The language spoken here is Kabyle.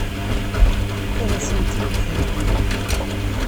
Ad sen-ten-id-theggim?